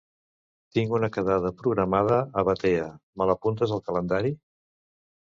Tinc una quedada programada a Batea, me l'apuntes al calendari?